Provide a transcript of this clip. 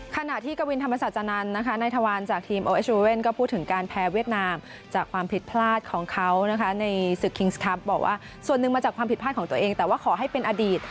ขณะที่กวินธรรมศาจานันทร์นะคะนายทวารจากทีมโอเอสรูเว่นก็พูดถึงการแพ้เวียดนามจากความผิดพลาดของเขานะคะในศึกคิงส์ครับบอกว่าส่วนหนึ่งมาจากความผิดพลาดของตัวเองแต่ว่าขอให้เป็นอดีต